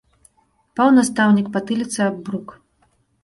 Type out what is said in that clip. Паў настаўнік патыліцай аб брук.